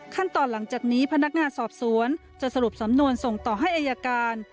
หลังจากนี้พนักงานสอบสวนจะสรุปสำนวนส่งต่อให้อายการ